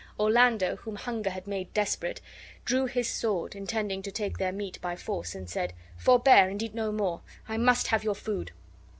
Orlando, whom hunger had made desperate, drew his sword, intending to take their meat by force, and said: "Forbear and eat no more. I must have your food!"